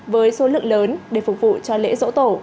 với số lượng lớn để phục vụ cho lễ dỗ tổ